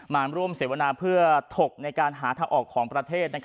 มาร่วมเสวนาเพื่อถกในการหาทางออกของประเทศ